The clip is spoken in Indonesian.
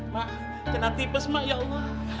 mak kena tipes mak ya allah